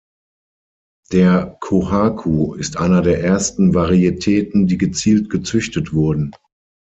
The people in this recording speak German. Der Kōhaku ist eine der ersten Varietäten, die gezielt gezüchtet wurden.